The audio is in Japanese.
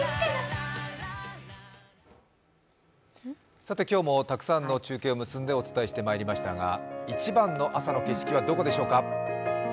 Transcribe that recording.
さて今日もたくさんの中継を結んでお伝えしてまいりましたが一番の朝の景色はどこでしょうか。